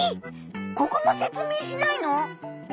ここも説明しないの？